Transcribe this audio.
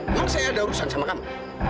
emang saya ada urusan sama kamu